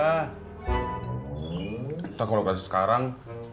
kita kalau kasih sekarang